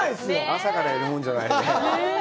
朝からやるもんじゃない。